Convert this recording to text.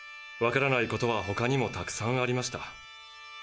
わからないことはほかにもたくさんありました。